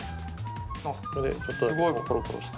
これでちょっとコロコロして。